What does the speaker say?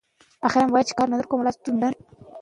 که ماشوم ته نیک اخلاق وښیو، نو هغه ښه مینه لرونکی کېږي.